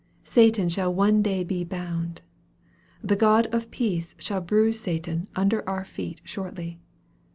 Satan shall one day be bound. The God cf peace shall bruise Satan under our feet shortly.